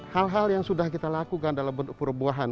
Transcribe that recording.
hal hal yang sudah kita lakukan dalam bentuk perubahan